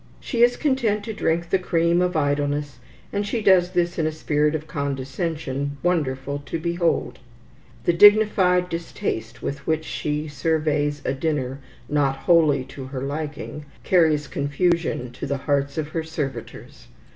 She is content to drink the cream of idleness, and she does this in a spirit of condescension, wonderful to behold. The dignified distaste with which she surveys a dinner not wholly to her liking, carries confusion to the hearts of her servitors.